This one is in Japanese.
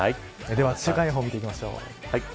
では週間予報を見ていきましょう。